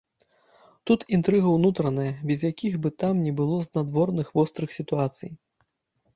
Тут інтрыга ўнутраная, без якіх бы там ні было знадворных вострых сітуацый.